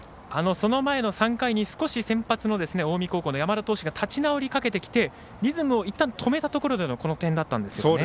その前の３回に先発の近江高校の山田投手が立ち直りかけてきてリズムをいったん止めたところでこの点だったんですよね。